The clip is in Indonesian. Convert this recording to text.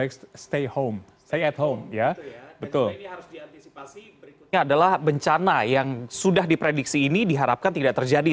karena yang sudah diprediksi ini diharapkan tidak terjadi